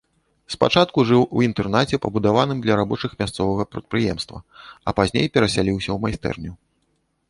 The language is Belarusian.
Спачатку жыў у інтэрнаце, пабудаваным для рабочых мясцовага прадпрыемства, а пазней перасяліўся ў майстэрню.